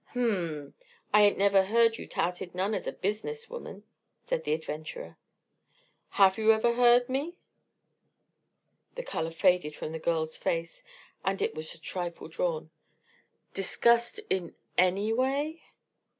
"Hm m ! I ain't never heard you touted none as a business woman," said the adventurer. "Have you ever heard me" the color faded from the girl's face, and it was a trifle drawn "discussed in any way?"